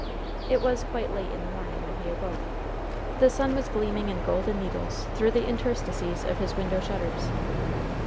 It was quite late in the morning when he awoke. The sun was gleaming in golden needles through the interstices of his window shutters.